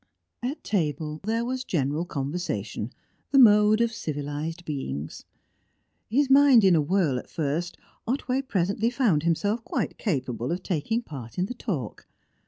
At table there was general conversation the mode of civilised beings. His mind in a whirl at first, Otway presently found himself quite capable of taking part in the talk.